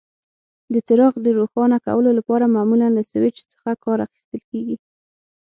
د څراغ د روښانه کولو لپاره معمولا له سویچ څخه کار اخیستل کېږي.